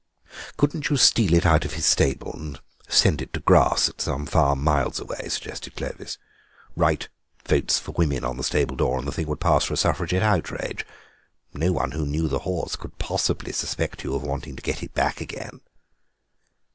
"Couldn't you steal it out of his stable and send it to grass at some farm miles away?" suggested Clovis; "write 'Votes for Women' on the stable door, and the thing would pass for a Suffragette outrage. No one who knew the horse could possibly suspect you of wanting to get it back again."